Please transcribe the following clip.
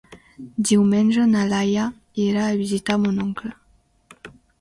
Diumenge na Laia irà a visitar mon oncle.